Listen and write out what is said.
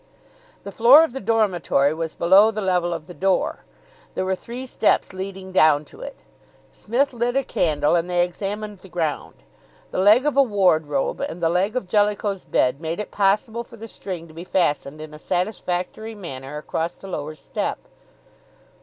The floor of the dormitory was below the level of the door. There were three steps leading down to it. Psmith lit a candle and they examined the ground. The leg of a wardrobe and the leg of Jellicoe's bed made it possible for the string to be fastened in a satisfactory manner across the lower step.